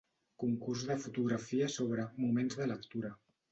Concurs de fotografia sobre "moments de lectura".